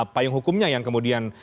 payung hukumnya yang kemudian